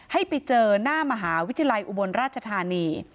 ให้ไปเจอหน้ามหาวิทยาลัยอุบลราชธานี